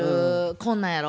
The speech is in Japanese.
こんなんやろ？